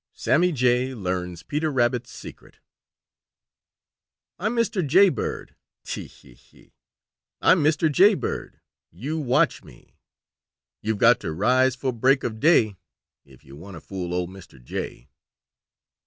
VI SAMMY JAY LEARNS PETER RABBIT'S SECRET "I'm Mr. Jaybird, tee hee hee! I'm Mr. Jaybird; you watch me! You've got to rise 'fore break of day If you want to fool old Mr. Jay."